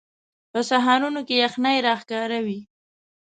په سهارونو کې یخنۍ راښکاره وي